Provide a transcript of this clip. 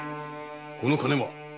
この金は！？